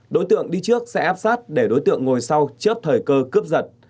đối tượng đi trước sẽ áp sát để đối tượng ngồi sau chớp thời cơ cướp giật